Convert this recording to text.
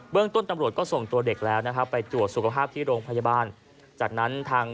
เรื่องต้นตำรวจก็ส่งตัวเด็กแล้วนะครับไปตรวจสุขภาพที่โรงพยาบาลจากนั้นทาง